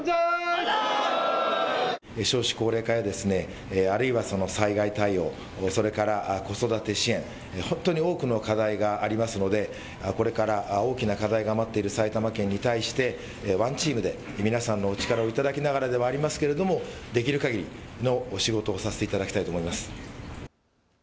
少子高齢化やあるいは災害対応、それから子育て支援、本当に多くの課題がありますのでこれから大きな課題が待っている埼玉県に対してワンチームで皆さんのお力を頂きながらではありますけれどできるかぎりのお仕事をさせていただきたいと思います。